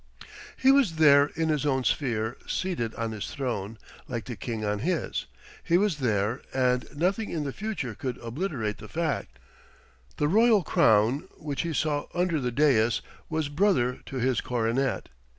He was there in his own sphere, seated on his throne, like the king on his. He was there and nothing in the future could obliterate the fact. The royal crown, which he saw under the daïs, was brother to his coronet.